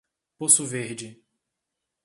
Poço Verde